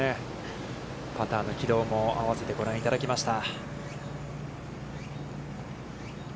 パターの軌道を合わせて、ご覧いただきました。